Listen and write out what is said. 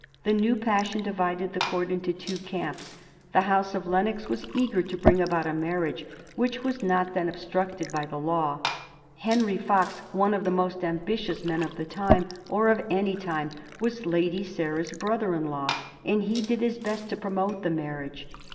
The new passion divided the Court into two camps. The House of Lennox was eager to bring about a marriage, which was not then obstructed by the law. Henry Fox, one of the most ambitious men of that time or of any time, was Lady Sarah's brother in law, and he did his best to promote the marriage.